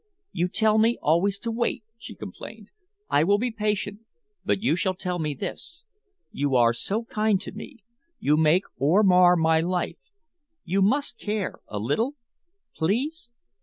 "You tell me always to wait," she complained. "I will be patient, but you shall tell me this. You are so kind to me. You make or mar my life. You must care a little? Please?"